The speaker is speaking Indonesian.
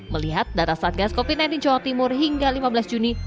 melihat data satgas covid sembilan belas jawa timur hingga lima belas juni